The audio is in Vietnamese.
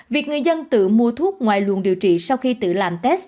việc người dân tự mua thuốc ngoài luồn điều trị sau khi tự làm test